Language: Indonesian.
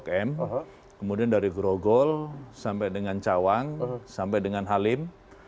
kemudian dari gajah mada sampai dengan blok m kemudian dari grogol sampai dengan cawang sampai dengan halim